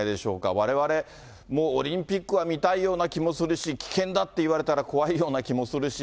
われわれも、オリンピックは見たいような気もするし、危険だって言われたら怖いような気もするし。